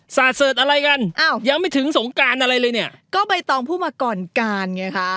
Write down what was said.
เสิร์ตอะไรกันอ้าวยังไม่ถึงสงการอะไรเลยเนี่ยก็ใบตองพูดมาก่อนการไงคะ